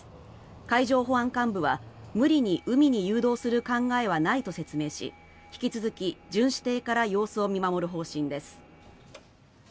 海上保安監部は無理に海に誘導する考えはないと説明し引き続き、巡視艇から様子を見守る方針です。